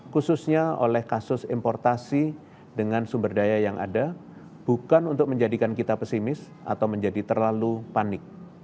khususnya oleh kasus importasi dengan sumber daya yang ada bukan untuk menjadikan kita pesimis atau menjadi terlalu panik